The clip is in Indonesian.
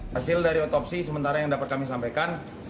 hasil dari otopsi sementara yang dapat kami sampaikan